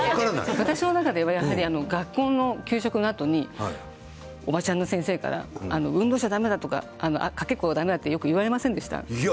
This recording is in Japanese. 学校の給食のあとにおばちゃんの先生から運動をしてはだめだとかかけっこしちゃだめだと言われませんでしたか。